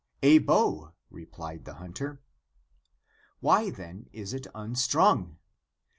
"A bow," replied the hunter. "Why then is it unstrung?"